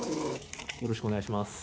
よろしくお願いします